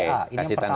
ini yang pertama ya